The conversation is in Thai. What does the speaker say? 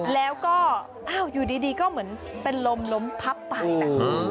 แล้วก็อยู่ดีก็เหมือนเป็นลมพับไป